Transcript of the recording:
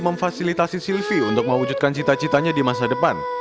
memfasilitasi sylvi untuk mewujudkan cita citanya di masa depan